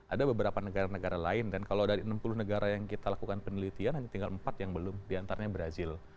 ada beberapa negara negara lain dan kalau dari enam puluh negara yang kita lakukan penelitian hanya tinggal empat yang belum diantaranya brazil